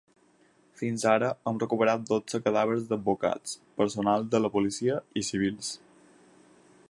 Fins ara hem recuperat dotze cadàvers d’advocats, personal de la policia i civils.